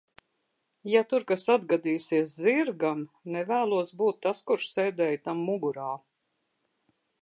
Ja tur kas atgadīsies zirgam, nevēlos būt tas, kurš sēdēja tam mugurā.